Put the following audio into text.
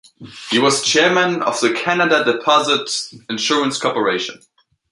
He was chairman of the Canada Deposit Insurance Corporation.